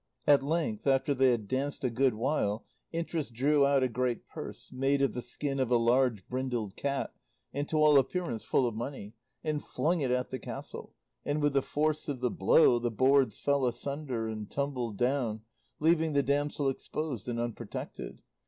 At length, after they had danced a good while, Interest drew out a great purse, made of the skin of a large brindled cat and to all appearance full of money, and flung it at the castle, and with the force of the blow the boards fell asunder and tumbled down, leaving the damsel exposed and unprotected.